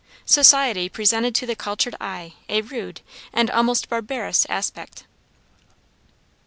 Society presented to the cultured eye a rude and almost barbarous aspect.